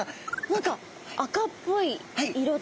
何か赤っぽい色ですね。